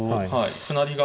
歩成りが。